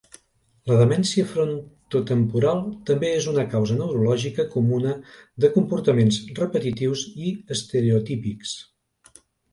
La demència frontotemporal també és una causa neurològica comuna de comportaments repetitius i estereotípics.